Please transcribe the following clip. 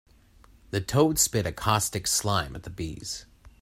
The toad spit a caustic slime at the bees.